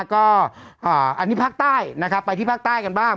ก็อันนี้ภาคใต้นะครับไปที่ภาคใต้กันบ้าง